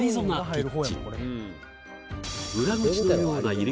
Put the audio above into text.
キッチン